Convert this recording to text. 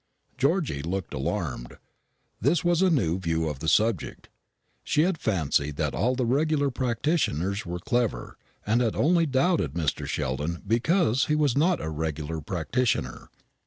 Georgy looked alarmed. This was a new view of the subject. She had fancied that all regular practitioners were clever, and had only doubted Mr. Sheldon because he was not a regular practitioner.